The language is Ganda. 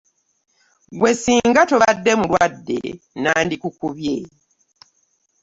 Ggwe ssinga tobadde mulwadde nnandikukubye.